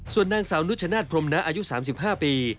ส่วนนางสาวนุชนาธิพรมนะอายุ๓๕ปี